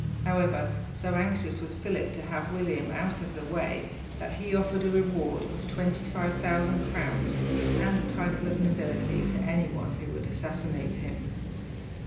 However, so anxious was Philip to have William out of the way that he offered a reward of 25,000 crowns and a title of nobility to anyone who would assassinate him.